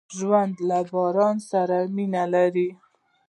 ژوندي له باران سره مینه لري